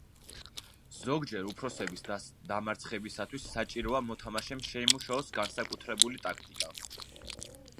ზოგჯერ, უფროსების დამარცხებისათვის საჭიროა მოთამაშემ შეიმუშაოს განსაკუთრებული ტაქტიკა.